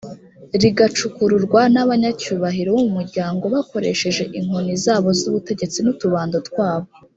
rigacukurwa n’abanyacyubahiro bo mu muryango, bakoresheje inkoni zabo z’ubutegetsi, n’utubando twabo.